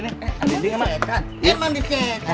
emak merinding emak